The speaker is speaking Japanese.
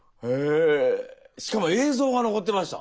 しかも映像が残ってました。